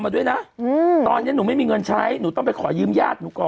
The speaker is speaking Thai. มาด้วยนะอืมตอนเนี้ยหนูไม่มีเงินใช้หนูต้องไปขอยืมญาติหนูก่อน